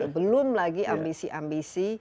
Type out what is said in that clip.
belum lagi ambisi ambisi